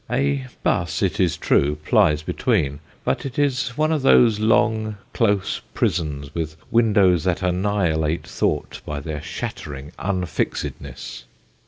A 'bus, it is true, plies between, but it is one of those long, close prisons with windows that annihilate thought by their shattering unfixedness.